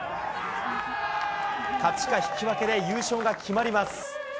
勝ちか引き分けで優勝が決まります。